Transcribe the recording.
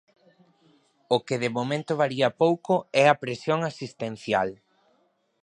O que de momento varía pouco é a presión asistencial.